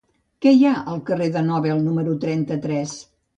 Què hi ha al carrer de Nobel número trenta-tres?